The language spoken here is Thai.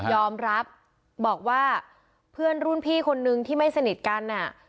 ยอมรับบอกว่าเพื่อนรุ่นพี่คนนึงที่ไม่สนิทกันอ่ะ